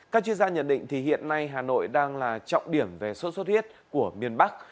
các chuyên gia nhận định hiện nay hà nội đang là trọng điểm về sốt xuất huyết của miền bắc